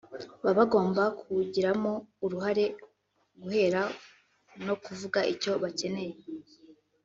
baba bagomba kuwugiramo uruhare guhera no ku kuvuga icyo bakeneye